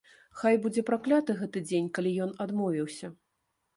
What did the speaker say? Хай будзе пракляты гэты дзень, калі ён адмовіўся.